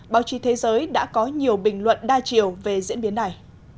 báo chí thế giới đã có nhiều bình luận đa chiều về diễn biến này